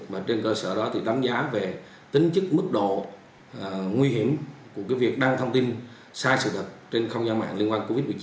và trên cơ sở đó thì đánh giá về tính chất mức độ nguy hiểm của việc đăng thông tin sai sự thật trên không gian mạng liên quan covid một mươi chín